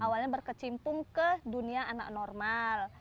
awalnya berkecimpung ke dunia anak normal